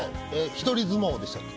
「一人ずもう」でしたっけ？